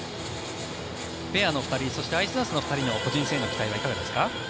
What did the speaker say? ペアの２人そしてアイスダンスの２人の個人戦への期待はいかがですか？